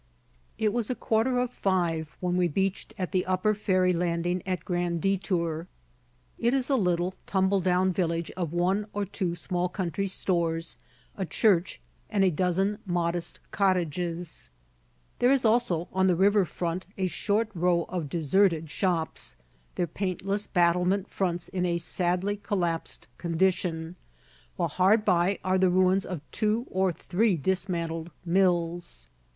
It was a quarter of five when we beached at the upper ferry landing at Grand Detour. It is a little, tumble down village of one or two small country stores, a church, and a dozen modest cottages; there is also, on the river front, a short row of deserted shops, their paintless battlement fronts in a sadly collapsed condition, while hard by are the ruins of two or three dismantled mills.